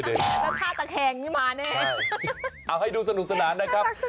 แล้วท่าตะแคงนี่มาแน่เอาให้ดูสนุกสนานนะครับ